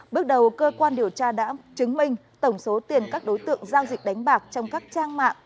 bước đầu cơ quan điều tra đã chứng minh tổng số tiền các đối tượng giao dịch đánh bạc trong các trang mạng